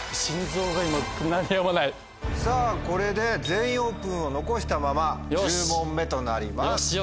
これで「全員オープン」を残したまま１０問目となります。